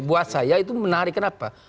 buat saya itu menarik kenapa